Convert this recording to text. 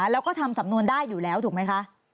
แล้วก็ทำสำนวนได้อยู่แล้วถูกไหมคะ